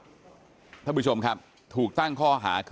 ทีมข่าวเราก็พยายามสอบปากคำในแหบนะครับ